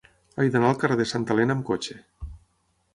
He d'anar al carrer de Santa Elena amb cotxe.